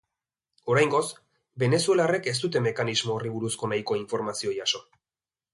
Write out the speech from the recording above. Oraingoz, venezuelarrek ez dute mekanismo horri buruzko nahikoa informazio jaso.